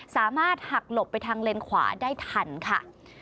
สามารถหักหลบไปทางเลนขวาได้ทันค่ะ